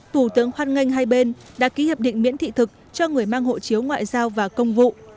thủ tướng hoan nghênh hai bên đã ký hiệp định miễn thị thực cho người mang hộ chiếu ngoại giao và công vụ